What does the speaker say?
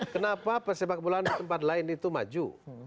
kenapa persepak bolaan di tempat lain itu maju